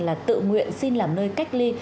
là tự nguyện xin làm nơi cách ly